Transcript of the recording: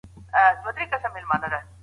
سلیمان لایق